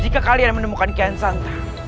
jika kalian menemukan kian santer